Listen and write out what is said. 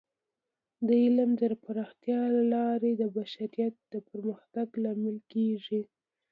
د علم د پراختیا له لارې د بشریت د پرمختګ لامل کیږي.